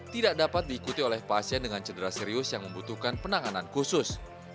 tidak dapat diikuti oleh pasien dengan cedera serius yang membutuhkan penanganan khusus